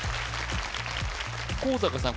向坂さん